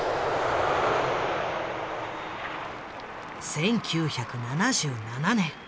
１９７７年。